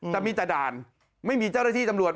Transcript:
แต่มีแต่ด่านไม่มีเจ้าหน้าที่ตำรวจ